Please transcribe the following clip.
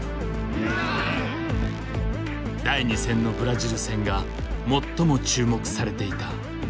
第２戦のブラジル戦が最も注目されていた。